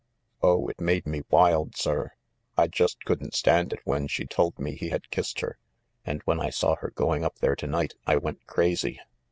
"Oh, it made me wild, sir! I just couldn't stand it when she told me he had kissed her, and when I saw her going up there to night I went crazy."